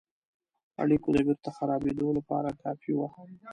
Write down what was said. اړېکو د بیرته خرابېدلو لپاره کافي وه.